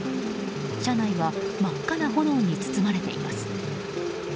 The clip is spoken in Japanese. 車内は真っ赤な炎に包まれています。